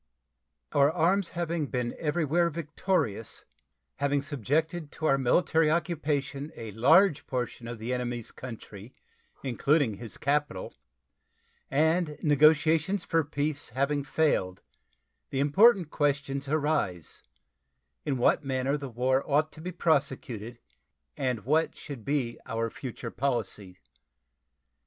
Our arms having been everywhere victorious, having subjected to our military occupation a large portion of the enemy's country, including his capital, and negotiations for peace having failed, the important questions arise, in what manner the war ought to be prosecuted and what should be our future policy.